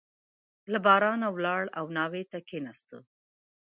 له بارانه ولاړ شوی او ناوې ته کښېنستلی وو.